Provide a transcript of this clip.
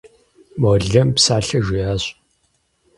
Молэм псалъэ жиӏащ.